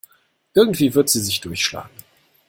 Irgendwie wird sie sich durchschlagen.